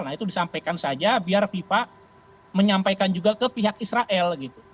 nah itu disampaikan saja biar fifa menyampaikan juga ke pihak israel gitu